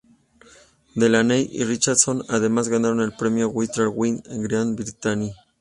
Delaney y Richardson además ganaron el premio Writers' Guild of Great Britain.